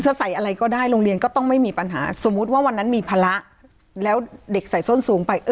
ใส่อะไรก็ได้โรงเรียนก็ต้องไม่มีปัญหาสมมุติว่าวันนั้นมีภาระแล้วเด็กใส่ส้นสูงไป